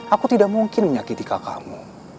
aku tidak mungkin menyakiti kakakmu